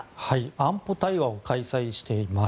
安保対話を開催しています。